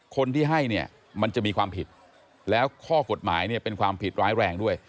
คนที่ให้เนี่ยมันจะมีความผิดแล้วข้อกฎหมายเนี่ยเป็นความผิดร้ายแรงด้วย